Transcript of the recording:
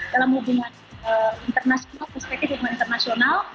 dalam hubungan internasional perspektif hubungan internasional